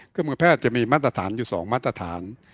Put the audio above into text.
เครื่องพยาบาลจะมีมาตรศานอยู่๒มาตรศาน